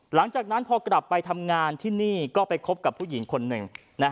หลังจากนั้นพอกลับไปทำงานที่นี่ก็ไปคบกับผู้หญิงคนหนึ่ง